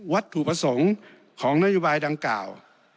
วัตถุประสงค์ของนโยบายดังกล่าว